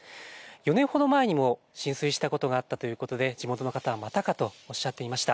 ４年ほど前にも浸水したことがあったということで、地元の方は、またかとおっしゃっていました。